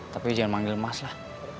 tapi jangan panggil mas lah